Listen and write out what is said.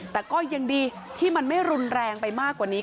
แต่ก็ยังดีที่มันไม่รุนแรงไปมากกว่านี้